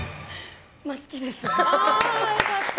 好きです。